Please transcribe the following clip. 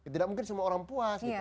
tidak mungkin semua orang puas gitu